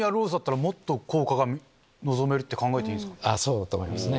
そうだと思いますね。